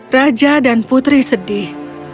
raja dan putri sedih